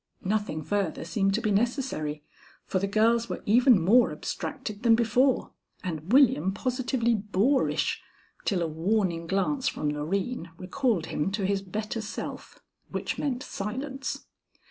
Nothing further seemed to be necessary, for the girls were even more abstracted than before, and William positively boorish till a warning glance from Loreen recalled him to his better self, which meant silence.